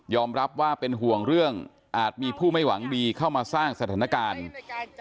รับว่าเป็นห่วงเรื่องอาจมีผู้ไม่หวังดีเข้ามาสร้างสถานการณ์